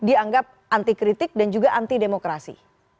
dianggap anti kritik dan juga anti demokrasi